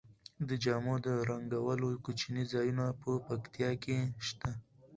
د جامو د رنګولو کوچني ځایونه په پکتیا کې شته.